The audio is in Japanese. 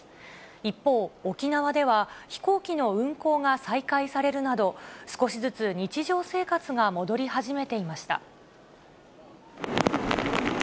一方、沖縄では飛行機の運航が再開されるなど、少しずつ日常生活が戻り始めていました。